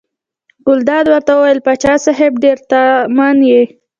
ګلداد ورته وویل: پاچا صاحب ډېر طالع من یې.